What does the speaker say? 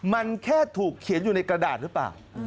มันแค่ถูกเขียนอยู่ในกระดาษหรือเปล่า